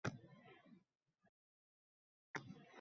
Shu gaplarsiz ham bola ich-ichidan siqiladi.